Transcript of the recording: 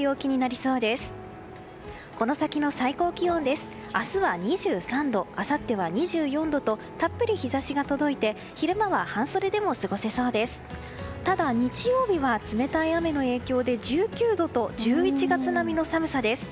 ただ、日曜日は冷たい雨の影響で１９度と１１月並みの寒さです。